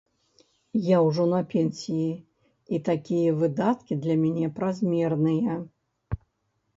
Я ўжо на пенсіі, і такія выдаткі для мяне празмерныя.